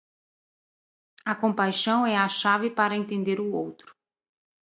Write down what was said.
A compaixão é a chave para entender o outro.